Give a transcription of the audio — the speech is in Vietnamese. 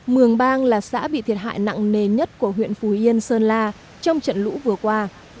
mường bang là xã bị thiệt hại nặng nề nhất của huyện phù yên sơn la trong trận lũ vừa qua